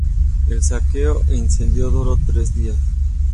El saqueo e incendio duró tres días.